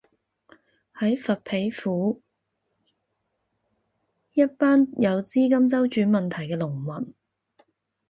喺佛丕府，一班有資金周轉問題嘅農民